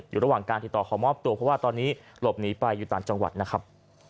อยู่ระหว่างการติดต่อขอมอบตัวเพราะว่าตอนนี้หลบหนีไปอยู่ต่างจังหวัดนะครับ